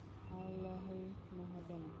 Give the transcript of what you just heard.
আল্লাহই মহা জ্ঞানী।